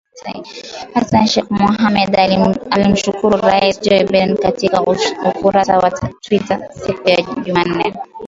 Hassan Sheikh Mohamud alimshukuru Rais Joe Biden katika ukurasa wa Twita siku ya Jumanne